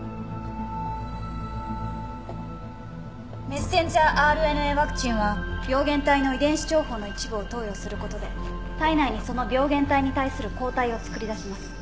メッセンジャーＲＮＡワクチンは病原体の遺伝子情報の一部を投与する事で体内にその病原体に対する抗体を作り出します。